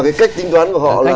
cái cách tính toán của họ là